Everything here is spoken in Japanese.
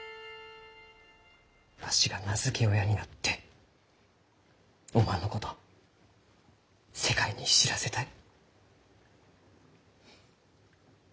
わしが名付け親になっておまんのこと世界に知らせたい。